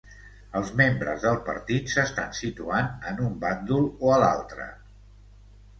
Els membres del partit s’estan situant en un bàndol o a l’altre.